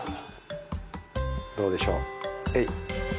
どうでしょうえい。